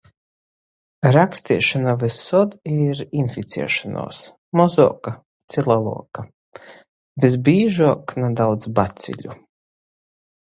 Raksteišona vysod ir inficiešonuos — mozuoka ci leluoka. Vysbīžuok nadaudz baciļu